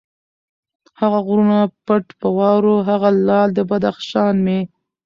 هغه غرونه پټ په واورو، هغه لعل د بدخشان مي